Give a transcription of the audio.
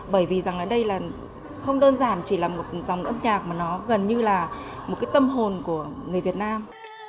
bởi vì rằng là đây là không đơn giản chỉ là một dòng âm nhạc mà nó gần như là một cái tâm hồn của người việt nam